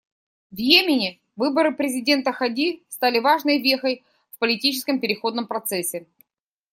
В Йемене выборы президента Хади стали важной вехой в политическом переходном процессе.